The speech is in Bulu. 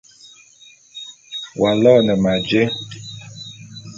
W'aloene ma jé?